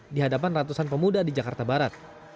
di hadapan ratusan pemuda di jakarta barat